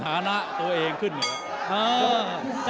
ตอนนี้มันถึง๓